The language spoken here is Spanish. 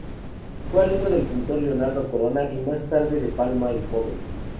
Fue alumno del pintor Leonardo Corona y, más tarde, de Palma el Joven.